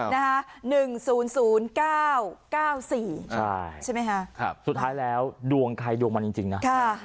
นะฮะ๑๐๐๙๙๔ใช่ไหมคะสุดท้ายแล้วดวงใครดวงมันจริงนะ